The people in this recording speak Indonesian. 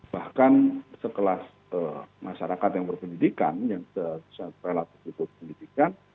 bahkan sekelas masyarakat yang berpendidikan yang relatif berpendidikan